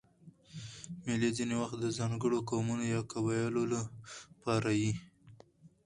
مېلې ځیني وخت د ځانګړو قومونو یا قبیلو له پاره يي.